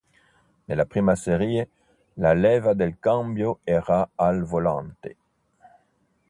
Nella prima serie, la leva del cambio era al volante.